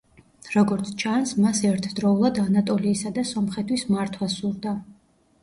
როგორც ჩანს, მას ერთდროულად ანატოლიისა და სომხეთის მართვა სურდა.